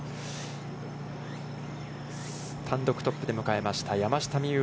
単独トップで迎えました、山下美夢